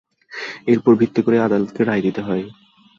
এর ওপর ভিত্তি করেই আদালতকে রায় দিতে হয়।